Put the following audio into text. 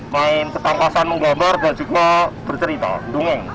main setampasan menggambar dan juga bercerita dungeng